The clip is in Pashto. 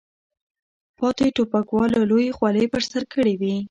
پاتې ټوپکوالو لویې خولۍ په سر کړې وې.